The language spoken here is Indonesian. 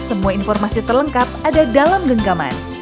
semua informasi terlengkap ada dalam genggaman